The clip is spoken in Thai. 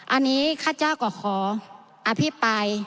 อันนี้ข้าจะก็ขออภิปัย